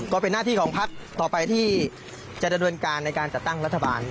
ก็เป็นหน้าที่ของพักต่อไปที่จะดำเนินการในการจัดตั้งรัฐบาล